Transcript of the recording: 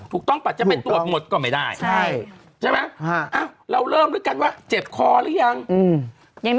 ถูกต้องถูกต้องตรวจหมดก็ไม่ได้ใช่ม๊ะเอ้าเราร่วมด้วยกันว่าเจ็บคอหรือยัง